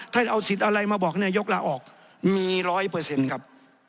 ถ้าจะเอาสิทธิ์อะไรมาบอกให้นายกลาออกมีร้อยเปอร์เซ็นต์ครับ